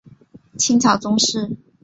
清朝宗室。